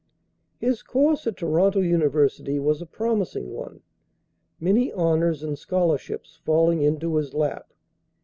His course at Toronto University was a promising one, many honors and scholarships falling into his lap.